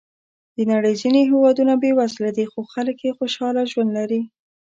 د نړۍ ځینې هېوادونه بېوزله دي، خو خلک یې خوشحاله ژوند لري.